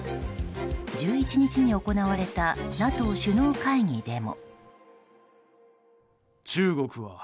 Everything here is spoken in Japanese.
１１日に行われたＮＡＴＯ首脳会議でも。